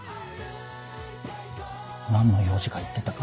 何の用事か言ってたか？